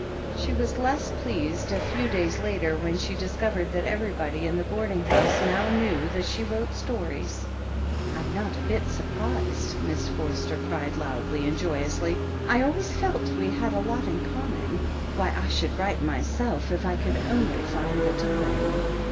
She was less pleased a few days later when she dis covered that everybody in the boarding house now knew that she wrote stories. "I'm not a bit surprised," Miss Forster cried loudly and joyously. "I always felt we had a lot in common. Why, I should write myself if I could only find the time."